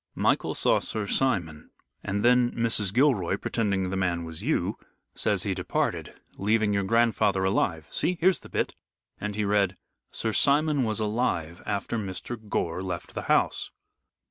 Michael saw Sir Simon, and then Mrs. Gilroy, pretending the man was you, says he departed, leaving your grandfather alive. See! here's the bit," and he read, "Sir Simon was alive after Mr. Gore left the house."